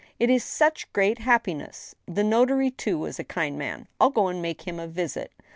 It is such great happiness ! The notary, too, was a kind man. I'll go and make him a visit.